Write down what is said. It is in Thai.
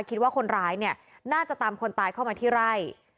คิดว่าคนร้ายเนี่ยน่าจะตามคนตายเข้ามาที่ไร่